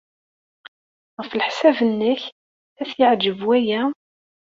Ɣef leḥsab-nnek, ad t-yeɛjeb waya?